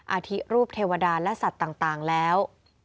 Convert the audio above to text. อาทิรูปเทวดาและสัตว์ต่างแล้ว